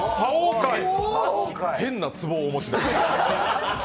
変なツボをお持ちです。